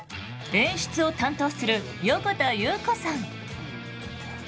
演出を担当する横田祐子さん。